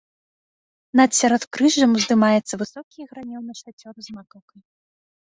Над сяродкрыжжам уздымаецца высокі гранёны шацёр з макаўкай.